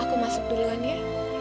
aku masuk duluan ya